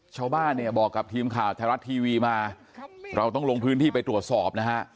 ชาวบ้านเนี่ยบอกกับทีมข่าวไทยรัฐทีวีมาเราต้องลงพื้นที่ไปตรวจสอบนะฮะ